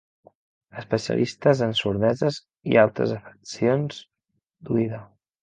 Especialistes en sordeses i altres afeccions d'oïda.